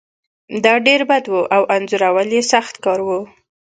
دا ډیر بد و او انځورول یې سخت کار و